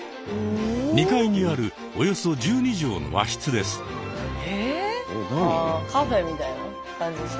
２階にあるおよそ１２畳の和室です。